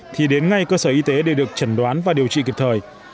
thì đến ngay cơ sở y tế để được chẩn đoán và điều trị kịp thời